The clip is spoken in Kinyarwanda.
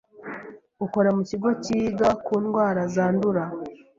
ukora mu kigo cyiga ku ndwara zandura